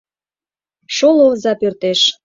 Шоло оза пӧртеш.